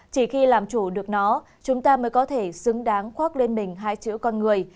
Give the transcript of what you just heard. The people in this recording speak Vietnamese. chỉ khi làm chủ được nó chúng ta mới có thể xứng đáng khoác lên mình hai chữ con người